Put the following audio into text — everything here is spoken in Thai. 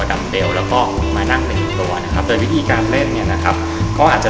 ดำเบลแล้วก็มานั่งเป็นตัวนะครับโดยวิธีการเล่นเนี่ยนะครับก็อาจจะ